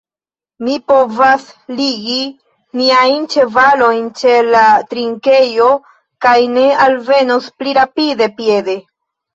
Ni povas ligi niajn ĉevalojn ĉe la trinkejo, kaj ni alvenos pli rapide piede.